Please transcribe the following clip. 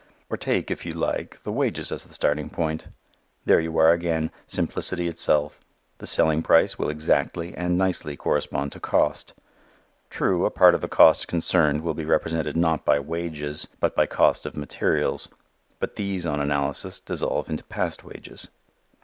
Or take, if you like, the wages as the starting point: there you are again, simplicity itself: the selling price will exactly and nicely correspond to cost. True, a part of the cost concerned will be represented not by wages, but by cost of materials; but these, on analysis, dissolve into past wages.